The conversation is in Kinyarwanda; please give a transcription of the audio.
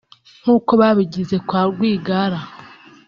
nkuko babigize kwa Rwigara